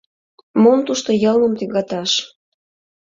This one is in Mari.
— Мом тушто йылмым тӱгаташ.